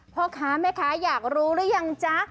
พ่อค้าแม่ค้าอยากรู้หรือยังจ๊ะ